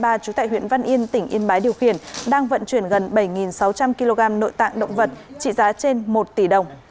trú tại huyện văn yên tỉnh yên bái điều khiển đang vận chuyển gần bảy sáu trăm linh kg nội tạng động vật trị giá trên một tỷ đồng